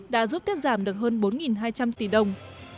đã giúp tiết giảm được hơn bốn hai trăm linh tỷ đồng